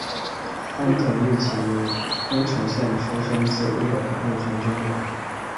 安藤利吉为宫城县出身之日本陆军军人。